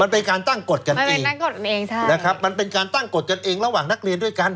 มันเป็นการตั้งกฎกันเองใช่นะครับมันเป็นการตั้งกฎกันเองระหว่างนักเรียนด้วยกัน